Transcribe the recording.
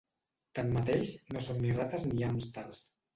Tanmateix, no són ni rates ni hàmsters.